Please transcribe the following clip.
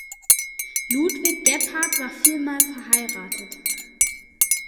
Ludwig Gebhard war viermal verheiratet.